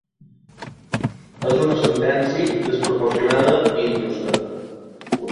Es una sentencia desproporcionada e injusta.